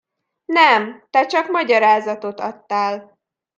Nem, te csak magyarázatot adtál.